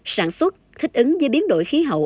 sản xuất thích ứng với biến đổi khí hậu